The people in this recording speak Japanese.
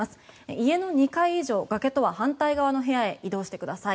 家の２階以上崖とは反対側の部屋へ移動してください。